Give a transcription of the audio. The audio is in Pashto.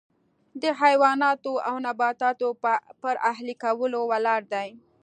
د حیواناتو او نباتاتو پر اهلي کولو ولاړ دی.